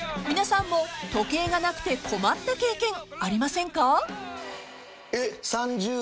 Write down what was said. ［皆さんも時計がなくて困った経験ありませんか？］